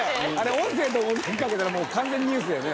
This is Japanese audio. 音声とモザイクかけたら完全にニュースだよね。